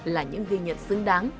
là những ghi nhận xứng đáng